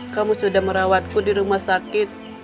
kamu sudah merawatku di rumah sakit